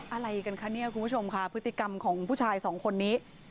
อะไรกันคะเนี่ยคุณผู้ชมค่ะพฤติกรรมของผู้ชายสองคนนี้